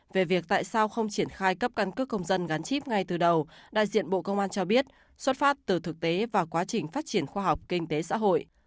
về việc tại sao không triển khai cấp căn cước công dân gắn chip ngay từ đầu đại diện bộ công an cho biết xuất phát từ thực tế và quá trình phát triển khoa học kinh tế xã hội